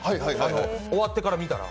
終わってから見たら。